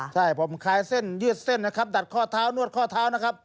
ใช่ผมคลายเส้นยืดเส้นดัดข้อเท้านวดข้อเท้า